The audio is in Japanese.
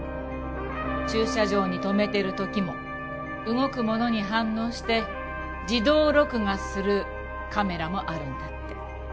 駐車場に止めてる時も動くものに反応して自動録画するカメラもあるんだって。